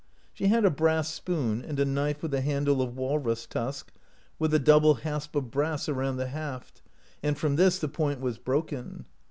She had a brass spoon, and a knife with a handle of walrus tusk, with a double hasp of brass around the haft, and from this the point was broken.